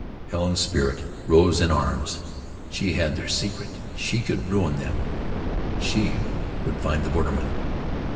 Helen's spirit rose in arms. She had their secret, and could ruin them. She would find the borderman.